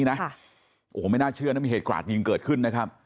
โอ้โหไม่น่าเชื่อนะมีเหตุกราดยิงเกิดขึ้นนะครับ